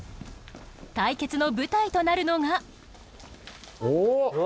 対決の舞台となるのが。